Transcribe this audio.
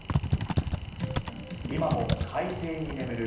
今も海底に眠る